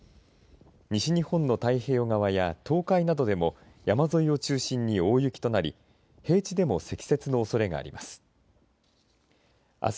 西日本の太平洋側や東海などでも山沿いを中心に大雪となり平地でも積雪のおそれがあります。